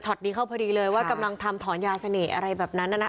นี้เข้าพอดีเลยว่ากำลังทำถอนยาเสน่ห์อะไรแบบนั้น